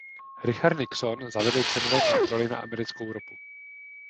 Richard Nixon zavedl cenové kontroly na americkou ropu.